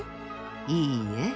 いいえ。